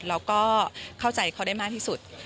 แล้วก็เข้าใจเขาได้มากที่สุด